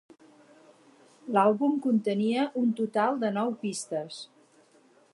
L'àlbum contenia un total de nou pistes.